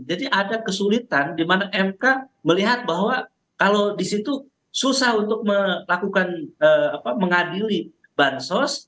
jadi ada kesulitan dimana mk melihat bahwa kalau di situ susah untuk melakukan apa mengadili bansos